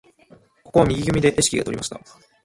ここは右組でレシキが取りました。